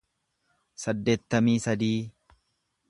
saddeettamii sadii